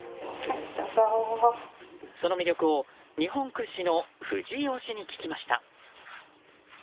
その魅力を日本屈指の藤井推しに聞きました。